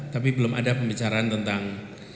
tapi belum ada pembicaraan tentang